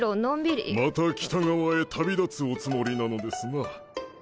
また北側へ旅立つおつもりなのですな。